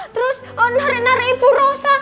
terus narik narik bu rosa